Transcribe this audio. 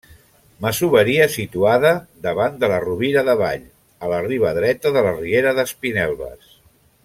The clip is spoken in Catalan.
Masoveria situada davant de la Rovira d'Avall, a la riba dreta de la riera d'Espinelves.